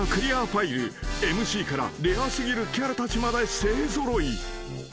［ＭＣからレア過ぎるキャラたちまで勢揃い］